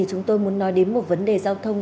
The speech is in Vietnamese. chúng tôi muốn nói đến một vấn đề giao thông